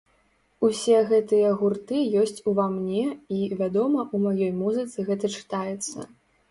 Усе гэтыя гурты ёсць у ва мне і, вядома, у маёй музыцы гэта чытаецца.